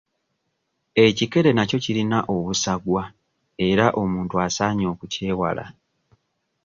Ekikere nakyo kirina obusagwa era omuntu asaanye okukyewala.